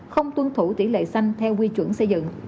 không tuân thủ tỷ lệ xanh theo quy chuẩn xây dựng